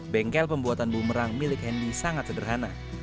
bengkel pembuatan bumerang milik hendy sangat sederhana